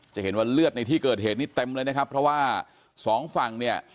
จะเห็นว่าเลือดในที่เกิดเหตุนี้เต็มเลยนะครับเพราะว่าสองฝั่งเนี่ย